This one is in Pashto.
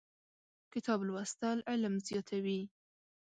کتاب لوستل علم زیاتوي.